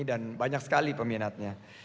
dan banyak sekali peminatnya